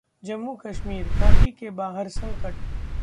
जम्मू-कश्मीरः घाटी के बाहर संकट